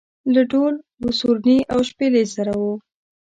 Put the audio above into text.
له ډول و سورني او شپېلۍ سره و.